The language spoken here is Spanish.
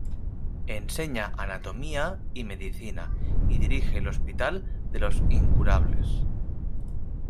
Enseña anatomía y medicina y dirige el hospital de los incurables.